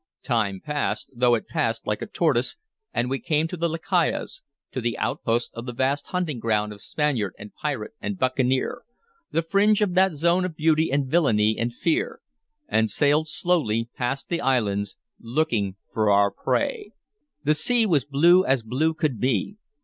Time passed, though it passed like a tortoise, and we came to the Lucayas, to the outposts of the vast hunting ground of Spaniard and pirate and buccaneer, the fringe of that zone of beauty and villainy and fear, and sailed slowly past the islands, looking for our prey. The sea was blue as blue could be.